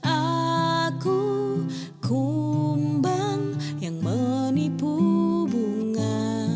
aku kumbang yang menipu bunga